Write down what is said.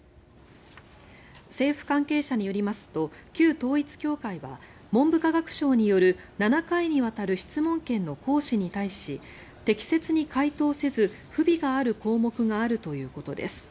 政府関係者によりますと旧統一教会は文部科学省による７回にわたる質問権の行使に対し適切に回答せず、不備がある項目があるということです。